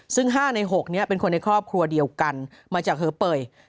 ซึ่ง๕ใน๖นี้เป็นคนในครอบครัวเดียวกันมาจากเหอเปย